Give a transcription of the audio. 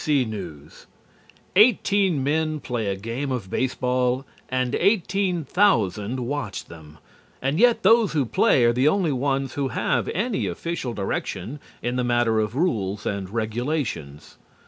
C. NEWS Eighteen men play a game of baseball and eighteen thousand watch them, and yet those who play are the only ones who have any official direction in the matter of rules and regulations.